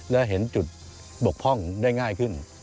และเห็นจุดบกพร่องได้ง่ายขึ้น